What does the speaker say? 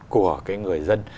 của cái người dân